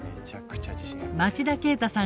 町田啓太さん